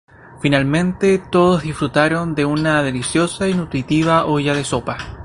Finalmente todos disfrutaron de una deliciosa y nutritiva olla de sopa.